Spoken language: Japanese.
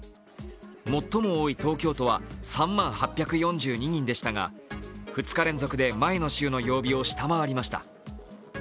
最も多い東京都は３万８４２人でしたが、２日連続で前の週の曜日を下回りました。